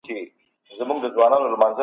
د کډوالۍ سياست د هېواد پر امنيت څه اغېز کوي؟